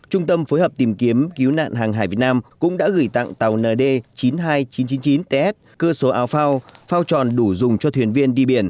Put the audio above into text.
trung tâm phối hợp tìm kiếm cứu nạn hàng hải việt nam cũng đã gửi tặng tàu nd chín mươi hai nghìn chín trăm chín mươi chín ts cơ số áo phao phao tròn đủ dùng cho thuyền viên đi biển